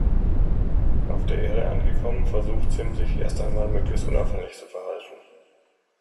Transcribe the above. Auf der Erde angekommen versucht Zim, sich erst einmal möglichst unauffällig zu verhalten.